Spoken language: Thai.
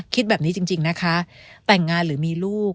คิดแบบนี้จริงนะคะแต่งงานหรือมีลูก